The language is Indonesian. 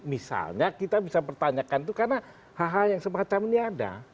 misalnya kita bisa pertanyakan itu karena hal hal yang semacam ini ada